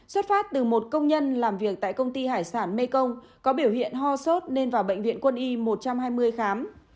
xuất phát từ một công nhân làm việc tại công ty hải sản mê công có biểu hiện ho sốt nên vào bệnh viện quân y một trăm hai mươi khám